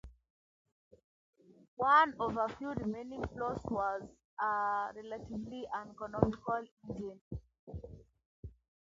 One of a few remaining flaws was a relatively uneconomical engine.